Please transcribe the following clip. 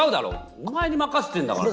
お前に任せてんだからさ。